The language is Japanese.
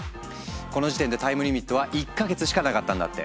この時点でタイムリミットは１か月しかなかったんだって。